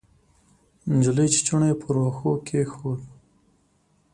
نجلۍ چوچوڼی پر وښو کېښود.